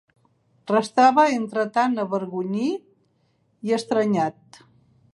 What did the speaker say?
Restava entretant avergonyit i estranyat;